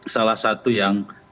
salah satu yang